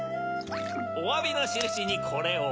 おわびのしるしにこれを。